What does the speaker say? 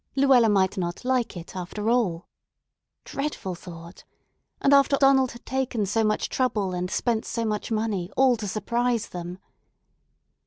Luella might not like it, after all! Dreadful thought! And after Donald had taken so much trouble and spent so much money all to surprise them!